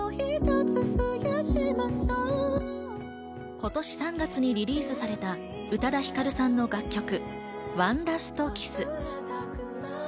今年３月にリリースされた宇多田ヒカルさんの楽曲、『ＯｎｅＬａｓｔＫｉｓｓ』。